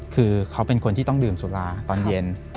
คือเขาเป็นคนที่ต้องดื่มสุราตอนเย็น